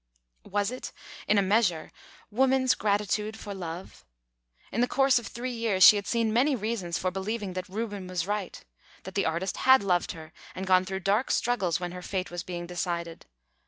Was it, in a measure, woman's gratitude for love? In the course of three years she had seen many reasons for believing that Reuben was right; that the artist had loved her, and gone through dark struggles when her fate was being decided.